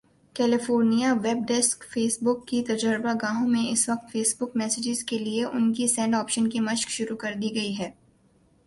California web desk Facebook کی تجربہ گاہوں میں اس وقت فیس بک میسنجر کے لیے ان سینڈ آپشن کی مشق شروع کردی گئی ہے